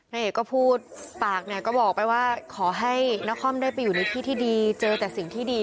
เอกก็พูดปากเนี่ยก็บอกไปว่าขอให้นครได้ไปอยู่ในที่ที่ดีเจอแต่สิ่งที่ดี